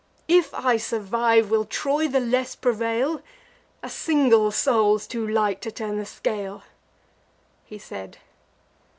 If I survive, will Troy the less prevail? A single soul's too light to turn the scale." He said.